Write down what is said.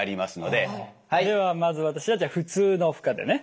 ではまず私はじゃあ普通の負荷でね。